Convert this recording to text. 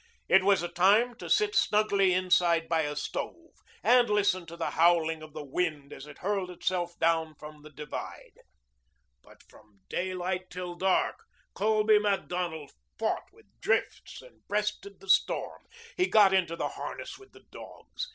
It was a time to sit snugly inside by a stove and listen to the howling of the wind as it hurled itself down from the divide. But from daylight till dark Colby Macdonald fought with drifts and breasted the storm. He got into the harness with the dogs.